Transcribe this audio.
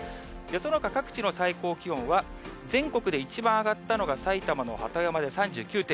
そのほか、各地の最高気温は、全国で一番上がったのが埼玉の鳩山で３９．９度。